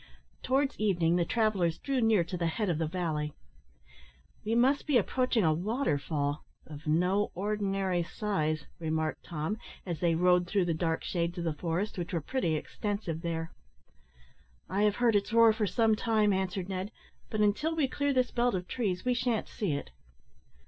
Towards evening the travellers drew near to the head of the valley. "We must be approaching a waterfall of no ordinary size," remarked Tom, as they rode through the dark shades of the forest, which were pretty extensive there. "I have heard its roar for some time," answered Ned, "but until we clear this belt of trees we shan't see it."